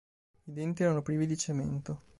I denti erano privi di cemento.